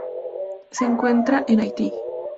Se encuentran en Haití.